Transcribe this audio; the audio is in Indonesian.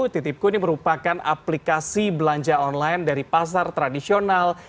titipku ini merupakan aplikasi belanja online dari pasar tradisional